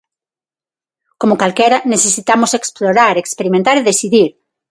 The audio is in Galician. Como calquera "necesitamos explorar, experimentar e decidir".